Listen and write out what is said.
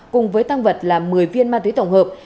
cùng với tăng vật là một mươi viên ma túy tổng hợp